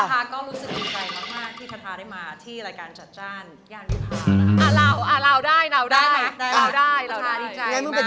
ทาก็รู้สึกดีใจมากที่ทาทาได้มาที่รายการจัดจ้านย่านวิพานะคะ